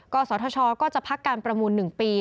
ศทชก็จะพักการประมูล๑ปี